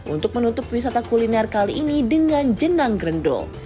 untuk menutup wisata kuliner kali ini dengan jenang grendul